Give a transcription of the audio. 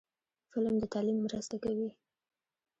فلم د تعلیم مرسته کوي